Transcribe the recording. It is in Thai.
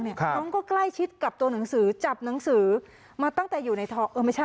น้องก็ใกล้ชิดกับตัวหนังสือจับหนังสือมาตั้งแต่อยู่ในทองเออไม่ใช่